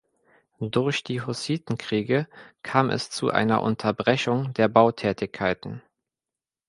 Durch die Hussitenkriege kam es zu einer Unterbrechung der Bautätigkeiten.